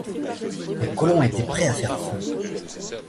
Les colons étaient prêts à faire feu